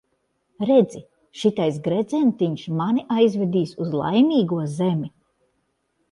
Redzi, šitais gredzentiņš mani aizvedīs uz Laimīgo zemi.